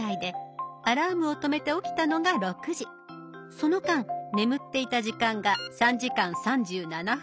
その間眠っていた時間が３時間３７分。